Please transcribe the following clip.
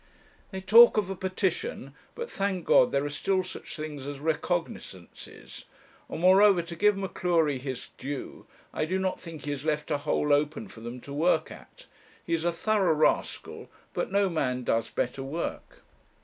They talk of a petition; but, thank God, there are still such things as recognizances; and, moreover, to give M'Cleury his due, I do not think he has left a hole open for them to work at. He is a thorough rascal, but no man does better work.